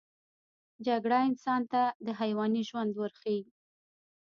جګړه انسان ته د حیواني ژوند ورښيي